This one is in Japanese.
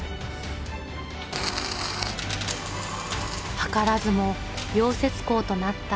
図らずも溶接工となった母。